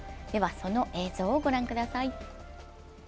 その映像をご覧ください。